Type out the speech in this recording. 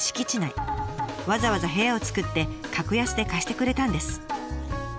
わざわざ部屋を作って格安で貸してくれたんです。